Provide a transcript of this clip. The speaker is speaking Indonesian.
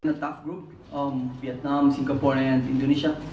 tugas grup vietnam singapura dan indonesia